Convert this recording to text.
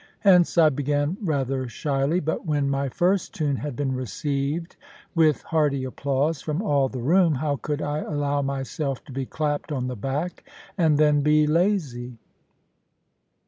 Hence I began rather shyly; but when my first tune had been received with hearty applause from all the room, how could I allow myself to be clapped on the back, and then be lazy?